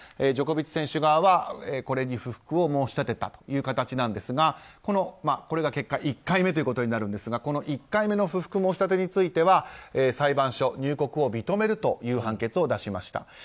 ジョコビッチ選手側はこれに不服を申し立てたという形なんですが結果これが１回目となるんですが１回目の不服申し立てについては裁判所、入国を認めるという判決を出しました。